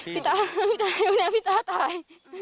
พี่ตายแล้วพี่ตาตาย